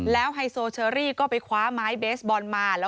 ไฮโซเชอรี่ก็ไปคว้าไม้เบสบอลมา